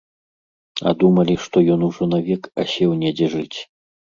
А думалі, што ён ужо навек асеў недзе жыць.